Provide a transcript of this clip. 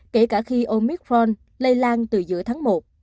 kể cả khi omicron lây lan từ giữa tháng một